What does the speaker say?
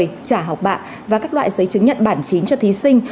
trả học bạ và các loại giấy chứng nhận bản chín cho thí sinh